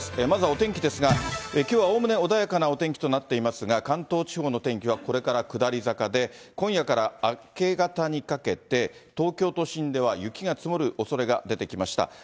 まずはお天気ですが、きょうはおおむね穏やかなお天気となっていますが、関東地方のお天気はこれから下り坂で、今夜から明け方にかけて、東京都心では雪が積もるおそれが出てきました。